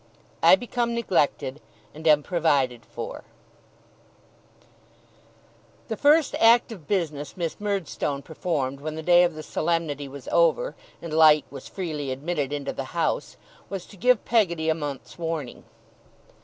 I BECOME NEGLECTED, AND AM PROVIDED FOR The first act of business Miss Murdstone performed when the day of the solemnity was over, and light was freely admitted into the house, was to give Peggotty a month's warning.